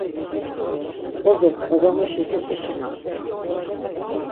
Bozok babamuşis ut̆işinams.